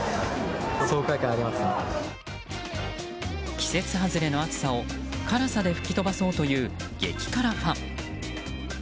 季節外れの暑さを辛さで吹き飛ばそうという激辛ファン。